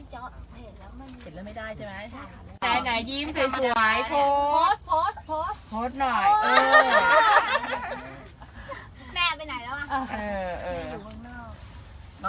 เห็นแล้วไม่ได้ใช่ไหม